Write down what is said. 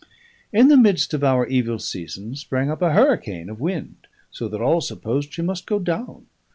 In the midst of our evil season sprang up a hurricane of wind; so that all supposed she must go down.